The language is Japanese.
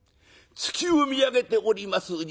月を見上げております